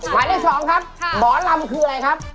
หมายเลข๒ครับหมอลำคืออะไรครับ